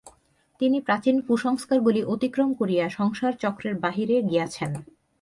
তিনি প্রাচীন কুসংস্কারগুলি অতিক্রম করিয়া সংসারচক্রের বাহিরে গিয়াছেন।